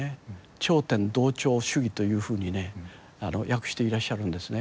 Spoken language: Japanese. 頂点同調主義というふうにね訳していらっしゃるんですね。